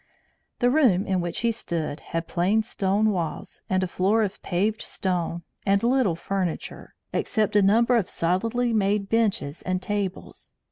The room in which he stood had plain stone walls and a floor of paved stone, and little furniture, except a number of solidly made benches and tables.